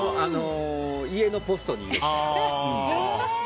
家のポストに入れた。